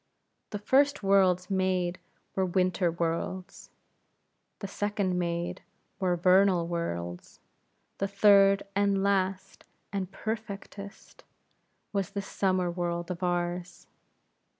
The first worlds made were winter worlds; the second made, were vernal worlds; the third, and last, and perfectest, was this summer world of ours.